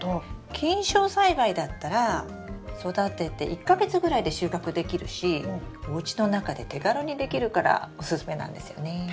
菌床栽培だったら育てて１か月ぐらいで収穫できるしおうちの中で手軽にできるからおすすめなんですよね。